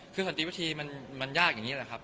คือสันติวิธีมันยากอย่างนี้แหละครับ